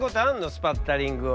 スパッタリングを。